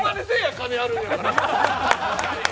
金あるんやから！